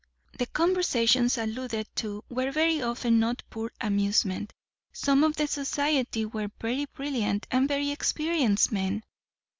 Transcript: "The conversations alluded to were very often not poor amusement. Some of the society were very brilliant and very experienced men."